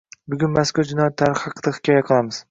Bugun mazkur jinoyat tarixi haqida hikoya qilamiz.